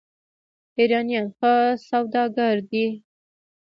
ایرانیان ښه سوداګر دي.